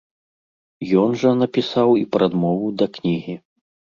Ён жа напісаў і прадмову да кнігі.